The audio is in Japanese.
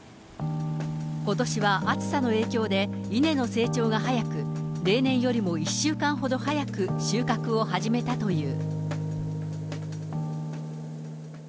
ことしは暑さの影響で稲の成長が早く、例年よりも１週間ほど早く収穫を始めたという。